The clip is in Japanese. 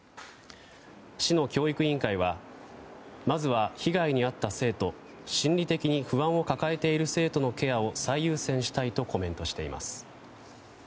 市の教育委員会はまずは被害に遭った生徒心理的に不安を抱えている生徒のケアを最優先したいとコメントしています。